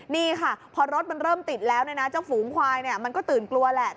นี่ค่ะพอรถมันเริ่มติดแล้วเนี่ยนะเจ้าฝูงควายมันก็ตื่นกลัวแหละ